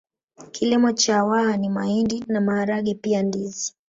Kilimo cha Waha ni mahindi na maharage pia ndizi